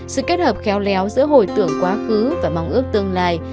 sự kết hợp khéo léo giữa hồi tưởng quá khứ và mong ước tương lai